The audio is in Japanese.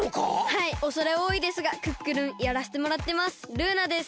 はいおそれおおいですがクックルンやらせてもらってますルーナです。